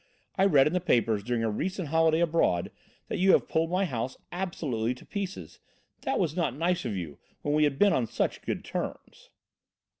I read in the papers, during a recent holiday abroad, that you had pulled my house absolutely to pieces! That was not nice of you, when we had been on such good terms."